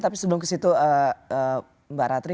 tapi sebelum ke situ mbak ratri